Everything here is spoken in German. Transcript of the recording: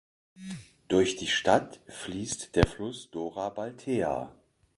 Durch die Stadt fließt der Fluss Dora Baltea.